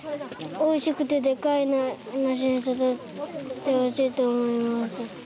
おいしくて、でかい梨に育ってほしいと思います。